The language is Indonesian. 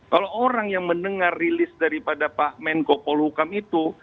kalau orang yang mendengar rilis daripada pak menko polhukam itu